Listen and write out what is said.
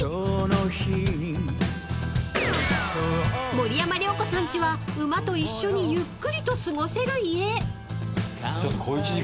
［森山良子さんちは馬と一緒にゆっくりと過ごせる家］